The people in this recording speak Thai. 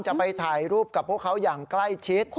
จะไปถ่ายรูปกับพวกเขาอย่างใกล้ชิด